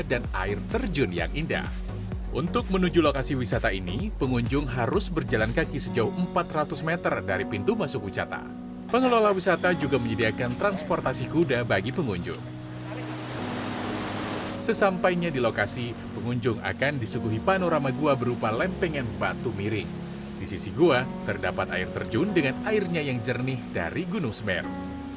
di sisi gua terdapat air terjun dengan airnya yang jernih dari gunung semeru